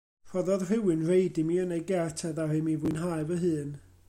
Rhoddodd rhywun reid imi yn ei gert a ddaru mi fwynhau fy hun.